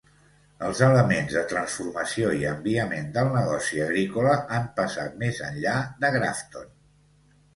Els elements de transformació i enviament del negoci agrícola han passat més enllà de Grafton.